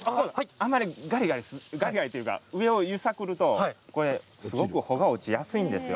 あんまりガリガリというか上をゆさくると、これすごく穂が落ちやすいんですよ。